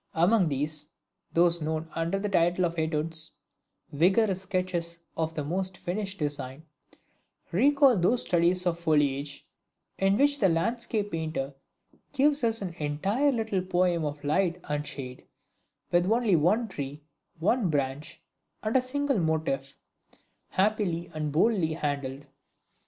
Among these, those known under the title of Etudes, (vigorous sketches of the most finished design), recall those studies of foliage, in which the landscape painter gives us an entire little poem of light and shade, with only one tree, one branch, a single "motif," happily and boldly handled.